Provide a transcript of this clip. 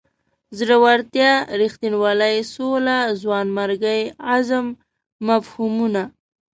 زړورتیا رښتینولۍ سولې ځوانمردۍ عزم مفهومونه.